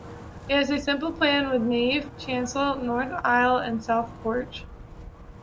It has a simple plan with nave, chancel, north aisle and south porch.